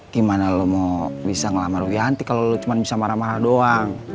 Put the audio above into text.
gimana lu mau bisa ngelamar wianti kalo lu cuman bisa marah marah doang